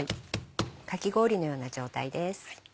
かき氷のような状態です。